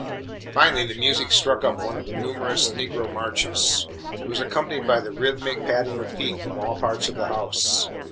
Finally the music struck up one of the numerous negro marches. It was accompanied by the rhythmic patting of feet from all parts of the house.